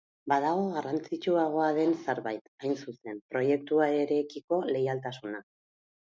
Badago garrantzitsuagoa den zerbait, hain zuzen, proiektuarekiko leialtasuna.